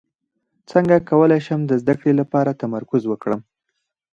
څنګه کولی شم د زده کړې لپاره تمرکز وکړم